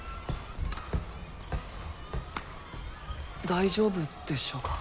大丈夫でしょうか。